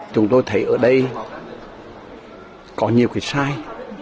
chúng tôi thấy ở đây có nhiều cái sai